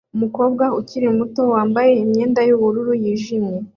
Umukobwa ukiri muto wambaye imyenda yubururu yijimye